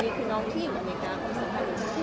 ไม่มีน้องคนไหนเลิกกันไป